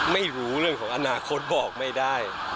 ไม่รู้เรื่องของอนาคตบอกไม่ได้